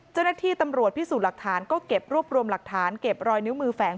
เจ้าหน้าที่ตำรวจพิสูจน์หลักฐานก็เก็บรวบรวมหลักฐานเก็บรอยนิ้วมือแฝง